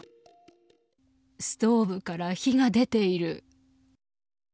ストーブから火が出ている。